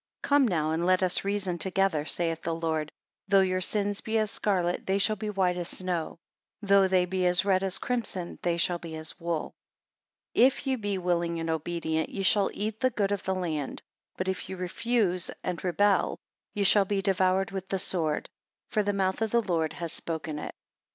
13 Come now and let us reason together, saith the Lord: though your sins be as scarlet, they shall be as white as snow; though they be as red as crimson, they shall be as wool. 14 If ye be willing and obedient ye shall eat the good of the land but, if ye refuse and rebel, ye shall be devoured with the sword; for the mouth of the Lord hath spoken it.